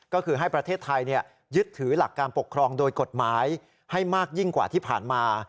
ก็คือให้ประเทศไทยยึดถือหลักการปกครองโดยกฎหมายให้มากยิ่งกว่าที่ผ่านมา